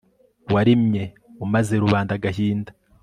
warimye umaze rubanda agahinda